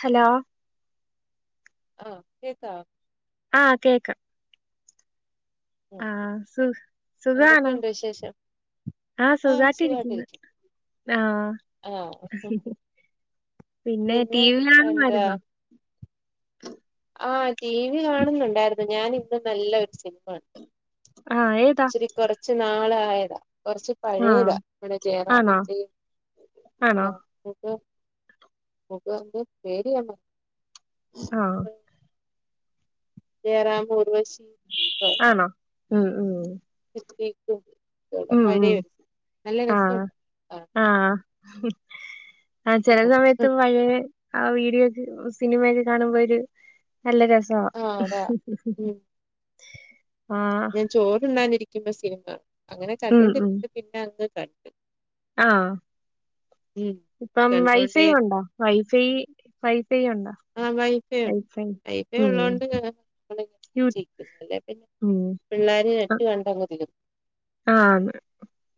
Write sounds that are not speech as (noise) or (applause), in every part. Hello? പറ കേക്കാവോ? ആഹ് കേക്കാം. ഉം ആഹ് സു സുഖാണൊ? എന്തൊക്കെയുണ്ട് വിശേഷം ആ ആഹ് സുഖാട്ടിരിക്കുന്ന് സുഖായിട്ടിരിക്കുന്നു ആഹ് പിന്നെ ടി വി കാണലാരുന്നോ? ആ ടി വി കാണുന്ന്ണ്ടായിരുന്നു. ഞാനിപ്പ നല്ല ഒര് സിനിമ കണ്ടു. ആഹ് ഏതാ ഇച്ചിരി കൊറച്ച് നാള് ആയതാ കൊറച്ച് ആഹ് പഴേതാ നമ്മടെ ആണോ ജേറാമിന്റിം ആണോ ആഹ് (unintelligible) പേര് ഞാൻ മറന്ന് ആഹ് ജയറാം ഊർവെശി ആണോ ഉം ഉം ക്കും ഉം ഉം പഴയരു നല്ല ആഹ് രസൊഉണ്ട് ആഹ് ആ ചെല സമയത്തും പഴേയ ആഹ് വീഡിയോക്കെ സിനിമയൊക്കെ കാണുമ്പ ഒരു നല്ല രസ അഹ് ആഹ് അതാ ആഹ് ചോറുണ്ണാനിരിക്കുമ്പ സിനിമ അങ്ങനെ ഉം ഉം കണ്ടോണ്ടിരിന്നിട്ട് പിന്നെ അങ്ങ് കണ്ട്. ആഹ് ഇപ്പം വൈഫൈ കണ്ടോണ്ടേ ഉണ്ടോ. വൈഫൈ വൈഫൈ ഉണ്ടോ ആഹ് വൈഫയ് ഉണ്ട്. വൈഫൈ വൈഫയ് ഉം ഉള്ളോണ്ട് (unintelligible) യു ന്നുല്ലേ പിന്നെ ഉം പിള്ളേരി നെറ്റ് കണ്ടങ് തീരും. ആഹ്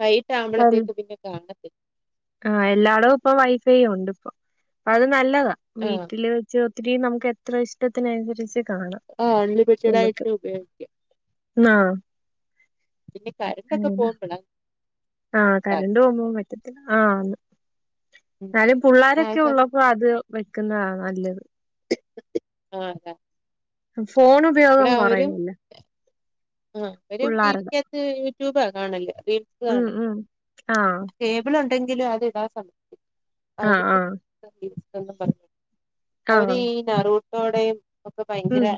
വൈകിട്ട് ആ ഹ് മ്പളത്തെക്ക് പിന്നെ കാണും. ആഹ് എല്ലാടും ഇപ്പൊ വൈഫൈയും ഉണ്ട് ഇപ്പൊ. അത് നല്ലതാ ആ വീട്ടില് വെച്ച് ഒത്തിരിയും നമുക്ക് എത്ര ഇഷ്ടത്തിനനുസരിച്ച് കാണാ ഏഹ് അൺലിമിറ്റഡ ആയിട്ട് ഉപയോഗിക്കും. ആഹ് പിന്നെ ക (unintelligible) ഇട്ടൊക്കെ അങ്ങനെ പോമ്പ ള് ആഹ് കരണ്ട് പോ പോവും പറ്റത്തില്ല ആന്ന്. ഇന്നാലും ആ പുള്ളാരൊക്കെ സമയത്ത് ഉള്ളപ്പോ അത് വെക്കുന്നതാ നല്ലത്. ആഹ്ത ഫോൺ ഉപയോഗം കൊറെയെല്ല ആഹ് ഒരും ടി വിക്കകത്ത് യൂട്യൂബാ കാണല് റീൽ ഉം ഉം ആഹ് കേബിൾ ഉണ്ടെങ്കിലും അത് ഇടാൻ സമയത്ത് ആഹ് അവരക്കെു ആഹ് (unintelligible) പറ അവര് ആഹ് ഈ നറൂട്ടോടെയും ഒക്കെ ഉം ഭയങ്കര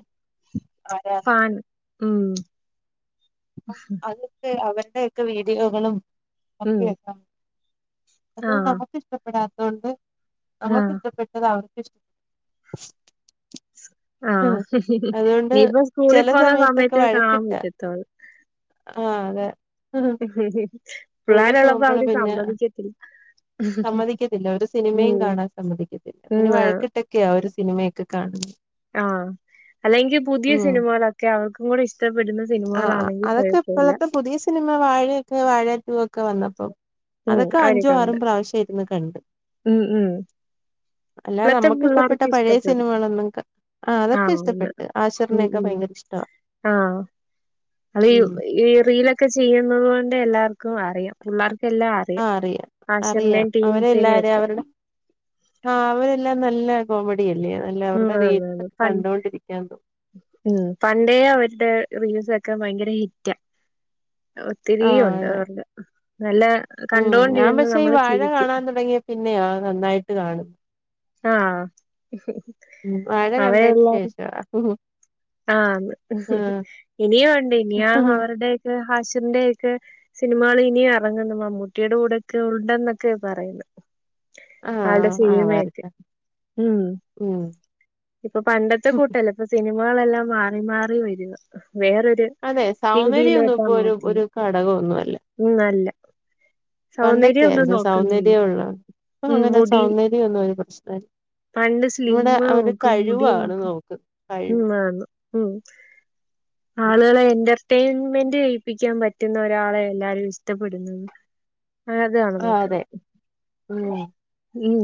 ആരാ പാൻ ഉം അ അതൊക്കെ അവരുടെയൊക്കെ വീഡിയോകളും ഉം ഒക്കെയാക്കാം. അത് ആഹ് നമുക്ക് ഇഷ്ടപ്പെടാത്തത് കൊണ്ട് നമുക്ക് ആഹ് ഇഷ്ടപ്പെട്ടത് അവർക്ക് ഇഷ്ടപ്പെ (inaudible) ആഹ് അതുകൊണ്ട് ഇനിയിപ്പോ സ്കൂളിൽ ചില പോകുന്ന സമയത്തൊക്കെ സമയത്തേ കാണാൻ വഴക്കിട്ടാ പറ്റത്തുള്ളൂ ആഹ് അതെ ഉം സ്കൂളിൽ പിള്ളേരുള്ളപ്പോ പോകുമ്പള് അവര് പിന്നെ സമ്മതിക്കത്തില്ല സമ്മതിക്കത്തില്ല ഒരു ഉം സിനിമയും കാണാൻ സമ്മതിക്കത്തില്ല ഉം പിന്നെ ആഹ് വഴക്കിട്ടൊക്കെയ ആ ഒരു സിനിമയൊക്കെ കാണുന്നത് ആഹ് അല്ലെങ്കിൽ പുതിയ ഉം സിനിമകളൊക്കെ അവർക്കും കൂടെ ഇഷ്ടപ്പെടുന്ന ആഹ് സിനിമകളാണെങ്കി അതൊക്കെ കൊഴപ്പമില്ല ഇപ്പോഴത്തെ പുതിയ സിനിമ വാഴയൊക്കെ വാഴ ടൂ ഒക്കെ വന്നപ്പോ ഉം അതൊക്കെ അഞ്ചോ ആറും അവരൊക്കെണ്ട് പ്രാവശ്യമായിരുന്നു കണ്ട് ഉം ഉം അല്ലാ ഇപ്പളത്തെ നമ്മുക്ക്ഷ്ടപ്പെട്ട പിള്ളേർക്ക് പഴയ ഇഷ്ടപ്പെടും സിനിമകളൊന്നും ആഹ് അതൊക്കെ ഇഷ്ടപ്പെട്ട് ഉം ആഷിരണയൊക്കെ ഉം ഭയങ്കര ഇഷ്ട ആഹ് അത് ഈ റിയിലൊക്കെ ചെയ്യുന്നത് കൊണ്ട് എല്ലാവർക്കും അറിയാം പിള്ളേർക്കെല്ലാം ആഹ് അറിയാം അറിയാം ആഷിറിനെയും ടീംസിനെയും അവരെല്ലാരെയ ഒക്കെ അവരുടെ ആഹ് അവരെല്ലാം നല്ല കോമഡി അല്ലേ നല്ല ഉം അവരുടെ റീറ്റ്സ് ആന്നാന്ന് ഒക്കെ പ കണ്ടോൊണ്ടിരിക്കാൻ തോന്നി ഉം പണ്ടേ അവരുടെ റീൽസ് ഒക്കെ ഭയങ്കര ഹിറ്റ ഒത്തിരിയ ആഹ് ഉണ്ട് അതെ അവ നല്ല ഉം ഞാൻ കണ്ടോണ്ടിരുന്ന് പക്ഷേ ഈ നമ്മള് വാഴ ചിരിക്കും കാണാൻ തുടങ്ങിയ പിന്നെയാ നന്നായിട്ട് കാണും ആഹ് ഉം വാഴ കണ്ടതിന് ശേഷം ആഹ് ഇനിയും വണ്ട് ഇനിയ അവരുടെയ ഒക്കെ ഹാഷറിന്റെൊക്കെ സിനിമകൾ ഇനിയും ഇറങ്ങുന്നു മമ്മൂട്ടിയുടെ കൂടെയൊക്കെ ഉണ്ടെന്നൊക്കെ പറയുന്നു ആള്ടെ ആഹ് സിനിമ ഒക്കെ ആവാരുന്ന് ഉം ഉം ഇപ്പൊ പണ്ടത്തെ കൂട്ടല്ലേ ഇപ്പൊ സിനിമകളെല്ലാം മാറി മാറി വരക വേറൊരു അതെ സൗന്ദര്യംന്നും രീതിയിലോട്ടാ ഇപ്പൊ ഒരു മാറ്റുന്നെ ഒരു ഘടകംന്നും അല്ല ഉം അല്ല സൗന്ദര്യം ഒന്നും പണ്ടൊക്കെയായിരുന്നു നോക്കുന്നില്ല സൗന്ദര്യം ഉള്ള അപ്പൊ ഉം അങ്ങനെ മുടി സൗന്ദര്യം ഒന്നും ഒരു പ്രശ്ന പണ്ട് സ്ലിമ്മ നോക്കും മുടി കഴിവാണ് നോക്കും നോക്കുന്നത് ഉം കഴിവ് ആന്നു ഉം ആളുകളെ എന്റർടൈൻമെന്റ് ചെയിപ്പിക്കാൻ പറ്റുന്ന ഒരാളെ എല്ലാവരും ഇഷ്ടപ്പെടുന്നത് അ അതാണ് ആഹ് അതെ നോക്കുന്നത് ഉം ഉം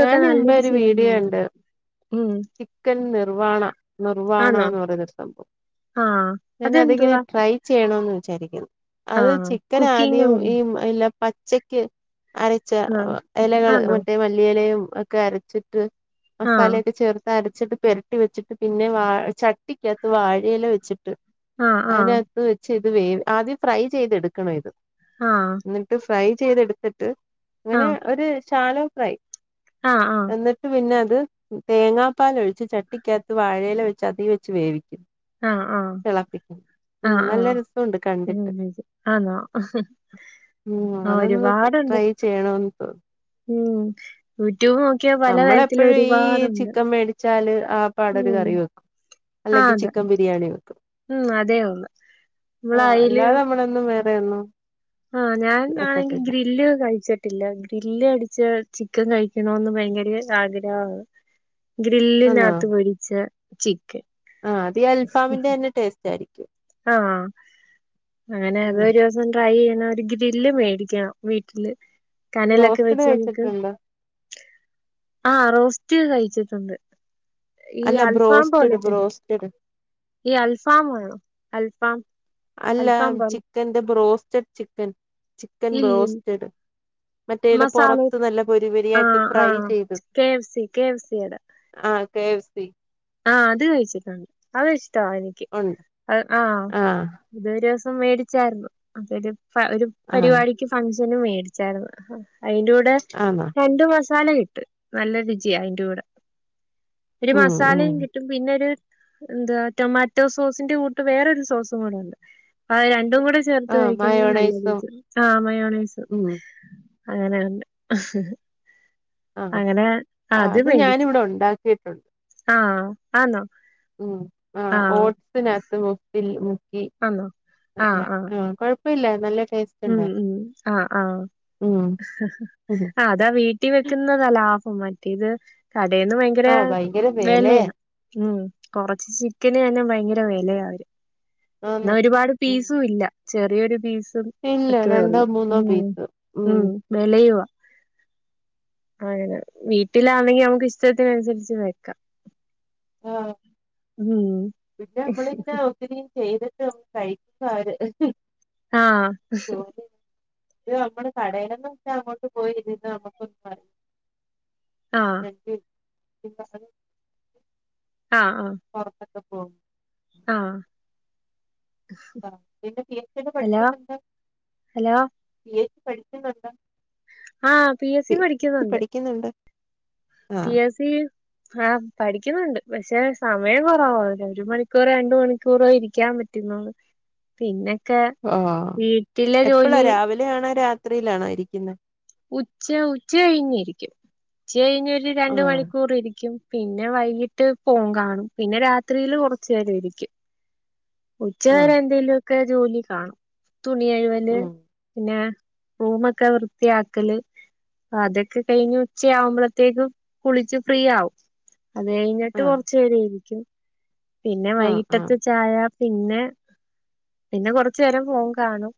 ഞാൻ മുമ്പേ നല്ലൊരു ഒരു സിനിമ വീഡിയോ കണ്ട് ആയിരുന്നു ഉം ചിക്കൻ നിർവാണ നിർ്വാണ ആണോ എന്ന് പറയുന്നൊരു സംഭവം ആഹ് ഞൻ അതിങ്ങനെ അതെന്തുവാ ട്രൈ ചെയ്യണന്ന് വിചാരിക്കുന്നു അത് ആഹ് ചിക്കൻ കുക്കിംഗ് ആദ്യം കൂടെ ഈ എല്ല പച്ചയ്ക്ക് അരച്ച ആഹ് ഇലകൾ ആണോ മറ്റേ ല്ലല ഒക്കെ അരച്ചിട്ട് ആഹ് മസാലൊക്കെ ചേർ അരച്ചിട്ട് പരട്ടി വെച്ചിട്ട് പിന്നെ വാ ചട്ടിക്കകത്ത് വാഴയില വെച്ചിട്ട് ആഹ് അതിനകത്ത് വെച്ച് ഇത് വേ ആദ്യം ഫ്രൈ ചെയ്തെടുക്കണ ഇത് ആഹ് എന്നിട്ട് ഫ്രൈ ചെയ്തെടുത്തിട്ട് അങ്ങനെ ആഹ് ഒരു ശാലോ ഫ്രൈ ആഹ് ആഹ് എന്നിട്ട് പിന്നെ അത് തേങ്ങാപ്പാാല ഒഴിച്ച് ചട്ടിക്കകത്ത് വാഴയില ഒഴിച്ച് അതിൽ വെച്ച് വേവിക്കും ആഹ് ആഹ് ളപ്പിക്കും ആഹ് ആഹ് ആണാ ഉം അതൊന്ന് ട്രൈ ചെയ്യണന്ന് തോന്നുന്നു ഉം യൂടൂബ് നമ്മളെപ്പോഴും ഈ ചിക്കൻ മേടിച്ചാല് ആ പാടര് ഉം കറി വെക്കും ആഹ് അല്ലെങ്കിൽ അതെ ചിക്കൻ ബിരിയാണി വെക്കും ഉം അതേ ഉള്ളു ആ നമ്മള് അയില് അല്ലാതെ നമ്മള് വേറെന്നോ ആഹ് ഞാൻാണെങ്കിൽ ഗ്രില്ല് കഴിച്ചിട്ട് കിില്ല ഗ്രില്ല് അടിച്ച ചിക്കൻ കഴിക്കണന്ന് ഭയങ്കര ആഗ്രഹണ് ആന്നോ ഗ്രില്ലിനകത്ത് പൊരിച്ച ചിക്കൻ ആഹ് അതീ അൽഫാമിന്റെ തന്നെ ടേസ്റ്റ് ആരിക്കും ആഹ് അങ്ങനെ ഉം അതൊരു ഒന്ന് ട്രൈ ചെയ്യണം ഒരു ഗ്രില്ല് മേടിക്കണം വീട്ടില് കനലൊക്കെ ബ്രോസ്റ്റഡ് വെച്ച് നമക്ക് കഴിച്ചിട്ടുണ്ടോ ആഹ് റോസ്റ്റ് കഴിച്ചിട്ടുണ്ട് ഈ അല്ല അൽഫാം ബ്രോസ്റ്റഡ് പോലത്തെ ബ്രോസ്റ്റഡ് ഈ അൽഫാമ് അൽഫാം അല്ല അൽഫാം പോലെ ചിക്കന്റെ ബ്രോസ്റ്റഡ് ചിക്കൻ ചിക്കൻ ഇല്ലിൽ ബ്രോസ്റ്റഡ് മറ്റേല മസാല പൊറത്ത് നല്ല പൊരിപൊരിയായിട്ട് ആഹ് ഫ്രൈ ആഹ് ചെയ്ത് K F C K F സിയുടെ ആഹ് കെ എഫ് സി ആഹ് അത് കഴിച്ചിട്ടുണ്ട് അത് ഇഷ്ട്ടവാ എനിക്ക് ഉണ്ട് അത് ആഹ് ഇതൊരുസം മേടിച്ചായിരുന്നു അതൊരു ഒരു ആഹ് പരിപാടി ക്കും ഫഗ്ഷനും മേടിച്ചായിരുന്നു അതിന്റെ കൂടെ ആന്നോ? രണ്ട് മസാല കിട്ടു നല്ല രുചിയ അയ്ന്റെ കൂടെ ഒരു ഉം മാസം ഉം സാലയും കിട്ടും പിന്നെ ഒരു എന്താ ടൊമാറ്റോ സോസിന്റെ കൂട്ട് വേറൊരു സോസും കൂടെ ഉണ്ട് ആഹ് രണ്ടും കൂടെ ചേർത്ത് ആഹ് കഴിക്കുമ്പോൾ നല്ല മയോണൈസും രുചിയാ ആ മയോണൈസ് ഉം അങ്ങനെയുണ്ട് ആഹ് അങ്ങനെ അത് മേടിച്ചു കേട്ടുണ്ട് ആഹ് ആന്നോ ഉം ആ ആഹ് ഓട്സിനകത്ത് മുത്തിൽ മുക്കി ആന്നോ ആ അല്ല ആ ആഹ് കൊഴ പ്പല്ല നല്ല ടേസ്റ്റ് ഉം ഉണ്ടായി ഉ ആഹ് ആഹ് ഉം അതാ വീട്ട ട്ടി വെക്കുന്നത ലാഭം മറ്റേത് കടേന്ന് ഭയങ്കര ആഹ് ഭയങ്കര വെലയാണ് വെലയാ ഉം കൊറച്ച് ചിക്കന് തന്നെ ഭയങ്കര വെലയാവര് ആന്ന് ന്നാ ഒരുപാട് ഉം പീസും ഇല്ല ചെറിയൊരു പീസും ഇല്ല ഒക്കെയെ രണ്ടോ ഉള്ളൂ മൂന്നോ ഉം പീസ് ഉം വെലയുവ അഹെന്നെ വീട്ടിലാണെങ്കി നമുക്ക് ഇഷ്ടത്തിനനുസരിച്ച് വെക്കാം ആഹ് ഊം പിന്നെ നമ്മളിങ്ങനെ ഒത്തിരി ചെയ്തിട്ട് കഴിക്കാര് ആഹ് ഇത് നമ്മള് കടയിലൽന്ന് വച്ചാ അങ്ങോട്ട് പോയി ഇരുന്ന് നമ്മുക്കൊന്നും. (inaudible) ആഹ്. (unintelligible) ആഹ് ആഹ് പൊറത്തൊക്കെ പോവും. ആഹ്. ആ പിന്നെ പി എ സി ക്ക് ഹലോ പഠിക്കുന്നുണ്ട് ഹലോ പി എ സി പഠിക്കുന്നുണ്ട്. ആഹ് പി എസ് സി പി- പഠിക്കുന്നുണ്ട്. പഠിക്കുന്നുണ്ട്. പി ആഹ് എസ് സി. ആഹ് പഠിക്കുന്നുണ്ട് പക്ഷെ സമയം കൊറവ ഒരു മണിക്കൂറോ രണ്ട്‌ മണിക്കൂറോ ഇരിക്കാൻ പറ്റുന്നുള്ളു. പിന്നൊക്കെ വീട്ടിലെ ജോലി. വിലെ ആണോ രാത്രിയിലാണോ ഇരിക്കുന്നെ. ഉച്ച ഉച്ച കഴിഞ്ഞിരിക്കും ഉച്ച കഴിഞ്ഞ് ഒരു രണ്ട് ആഹ് മണിക്കൂർ ഇരിക്കും. പിന്നെ വൈകിട്ട് ഫോൺ കാണും പിന്നെ രാത്രിയിലും കൊറച്ച് നേരം ഇരിക്കും. ഉച്ചവരെ ആഹ് എന്തേലൊക്കെ ജോലി കാണും തുണി കഴുകല്. ഉം പിന്നെ റൂമൊക്കെ വൃത്തി. ത്തിയാക്കല് അതൊക്കെ കഴിഞ്ഞ് ഉച്ചയാവുമ്പളത്തേക്കും കുളിച്ച് ഫ്രീ ആവും. അത് കഴിഞ്ഞിട്ട് ആഹ് കൊറച്ച് നേരം ഇരിക്കും. പിന്നെ ആഹ് വൈകിട്ടത്ത ചായ പിന്നെ പിന്നെ കൊറച്ചു നേരം ഫോൺ കാണും.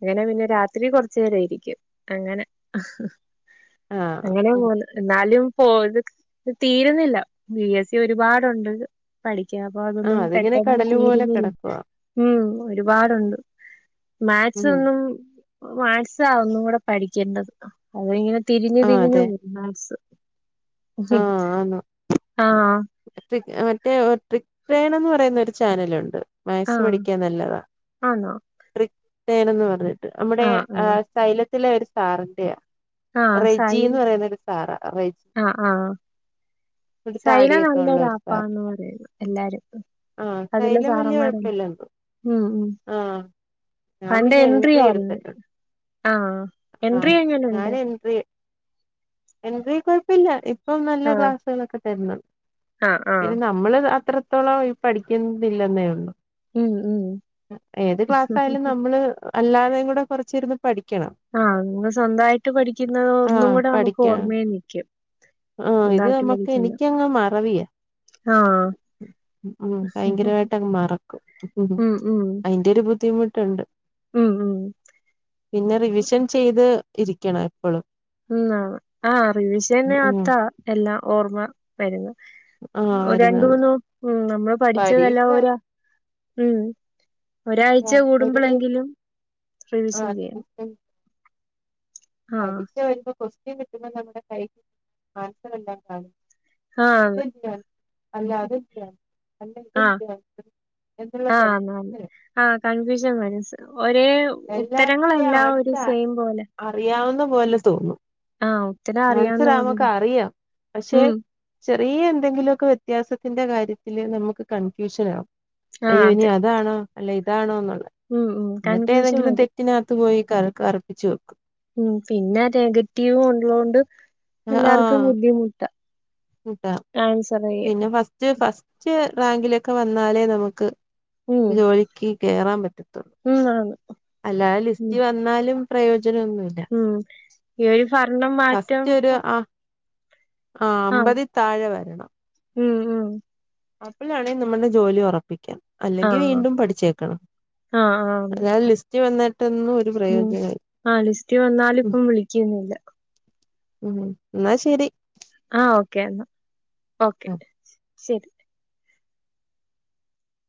അങ്ങനെ പിന്നെ രാത്രി കൊറച്ചേരയിരിക്കും അങ്ങനെ. ആഹ് അങ്ങനെ ആഹ് പോവുന്ന്. എന്നാലും പോത് തീരുന്നില്ല ബി എസ് സി ഒരുപാടുണ്ട്ത്. പഠിക്ക അപ്പൊ ആഹ് അതൊന്നും അതിങ്ങനെ പെട്ടെന്ന് കടല് പോലെ തീരുന്നില്ല. കിടക്കുവാ ഉംഹ് ഒരുപാടുണ്ട് മാക്സ് ഉം ഒന്നും. മാക്സാ ഒന്നും കൂടെ പഠിക്കേണ്ടത്. അത് ഇങ്ങനെ തിരിഞ്ഞ് ആഹ് തിരിഞ്ഞു അതെ പോവും മാക്സ്. ആഹ് ആന്ന് ആഹ്. (unintelligible) എന്ന് പറയുന്ന ഒരു ചാനലുണ്ട്. മാത്‍സ് ആഹ് പഠിക്കാൻ നല്ലതാ ആന്നോ ട്രിക് ട്ടേൺ പറഞ്ഞ്. നമ്മുടെ ആഹ് സൈരലത്തിലെ ഒരു സാറിന്റെയ ആഹ് റെജി സൈല എന്ന് പറയുന്നരു സാ. സാറാ റെജി ആഹ് ആഹ് ഒരു സൈലം താടിയൊക്കെ ഉള്ള ഒരു സാർ നല്ലൊരാപ്പാന്ന് പറയുന്നു എല്ലാരും. ആഹ് അതിലെ സൈലം വല്യ സാർമാരും കുഴപ്പമില്ലന്ന് തോന്നുന്നു ഉംഹ് ഉംഹ്. ആഹ് ഞാൻ അന്റെ പിന്നെ എൻട്രി എടുത്തിട്ടുണ്ട് (unintelligible) ആ ആഹ് എൻട്രി ആഹ് എങ്ങനെയുണ്ട്. ഞാൻ എൻട്രി എൻട്രി കൊഴപ്പില്ല ഇപ്പം നല്ല ആഹ് ക്ലാസ്സുകളൊക്കെ തരണ്. ആഹ് ആഹ് പിന്നെ നമ്മള് അത്രത്തോളം പഠിക്കുന്നില്ലെന്നേ ഉള്ളു. ഉം, ഉം. ഏത് ക്ലാസ്സായാലും നമ്മള് അല്ലാതെയും കൂടെ കുറച്ചിരുന്ന് പഠിക്കണം. ആഹ് അങ് സ്വന്തായിട്ട് പഠിക്കുന്ന ഒന്നും ആഹ് കൂടെ നമുക്ക് ഓർമ്മയി നിൽക്കും. ആഹ ഇത് നമ്മക്ക് എനിക്കങ്ങ് മറവിയാ. ആഹ്. ഉംഹ്. ഭയങ്കരമായിട്ടങ്ങ് മറക്കും ഉം, അയിന്റെ ഒരു ബുദ്ധിമുട്ടുണ്ട്. ഉംഹ് ഉംഹ്. പിന്നെ റിവിഷൻ ചെയ്ത് ഇരിക്കണേ. ന്നോ ആഹ് ഉം റിവിശനേകത്താ എല്ലാം ഓർമ്മ വരുന്നെ. ആഹ് രണ്ട് വരുന്നത് മൂന്നും ഉം നമ്മള് പഠിച്ചതല്ല പരീക്ഷ ഓരാ ഉം ഒരാഴ്ച ആഹ് ഒരുത് കൂടുമ്പോളെങ്കിലും റിവിഷൻ ചെയ്യണം ഉം ആഹ്. പരീക്ഷ വരുമ്പോ ക്വസ്റ്റ്യൻ കിട്ടുമ്പോൾ നമ്മുടെ കൈ ആൻസറെല്ലാം കാണും ആന്ന്. ആഹ്. (unintelligible) ആഹ് (unintelligible) ആന്നാന്ന്. ആഹ് കൺഫ്യൂഷൻ മനസ് ഒരേ എല്ലാത്തിന്റെയും ഉത്തരങ്ങളെല്ലാം ഒരു ആൻസർ സെയിം പോലെ അറിയാവുന്ന പോലെ തോന്നും ആഹ് ഉത്തരം ആൻസർ അറിയാവുന്ന പോലെ. നമക്ക് അറിയാം പക്ഷെ ഉം. ചെറിയ എന്തെങ്കിലുമൊക്കെ വ്യത്യാസത്തിന്റെ കാര്യത്തില് നമുക്ക് കൺഫ്യൂഷൻ ആകും അയ്യോ ആഹ് ഇനി അതാണോ അല്ല ഇതാണോ എന്നുള്ളത് ഉം ഉം എന്നിട്ട് കൺഫ്യൂഷൻ ഏതെങ്കിലും തെ വരും റ്റിനകത്ത് പോയി ക കറപ്പിച്ച് വെക്കും ഉം പിന്നെ നെഗറ്റീവ് ഉള്ളൊണ്ട് ആ ആ എല്ലാർക്കും ബുദ്ധിമുട്ടാ ആൻസറെ ഞാ ഫസ്റ്റ് ഫസ്റ്റ് റാങ്കിലൊക്കെ വന്നാലേ നമുക്ക് ഉം ജോലിക്ക് കേറാൻ പറ്റു ഉം ആണ് അല്ലാ ലിസ്റ്റ് ഉം വന്നാലും പ്രയോജനൊന്നുല്ല ഉം ഈ ഒരു ഭരണം മാറ്റാവു (unintelligible) ആഹ് അമ്പതി താഴെ വരണം ഉം ഉം അപ്പോഴാണെ നമ്മുടെ ജോലി ഉറപ്പിക്കാ അല്ലെങ്കിൽ ആഹ് വീണ്ടും പഠിച്ചേക്കണം ആഹ് ആന്ന് അല്ലാതെ ലിസ്റ്റ് വന്നിട്ടൊന്നും ഒരു ഉം പ്രയോജനമില്ല ആ ലിസ്റ്റി വന്നാലും ഇപ്പം വിളിക്കുന്നില്ല മ് ഇന്നാ ശരി ആഹ് ഓക്കെ നാ ഓക്കെ ശരി